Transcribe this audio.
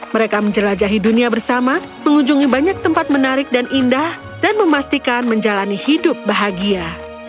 mereka menjelajahi dunia bersama mengunjungi banyak tempat menarik dan indah dan memastikan menjalani hidup bahagia